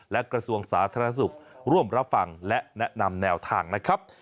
และกระทรวงสาธารณสุขร่วมรับฟังและแนะนำแนวทางนะครับ